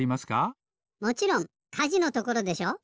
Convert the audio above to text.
もちろんかじのところでしょ？